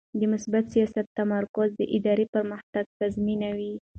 د مثبت سیاست تمرکز د ادارې پرمختګ تضمینوي.